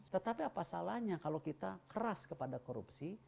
tetapi apa salahnya kalau kita keras kepada korupsi